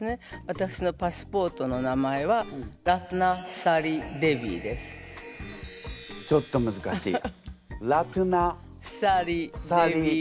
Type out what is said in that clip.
私のパスポートの名前はちょっとむずかしい。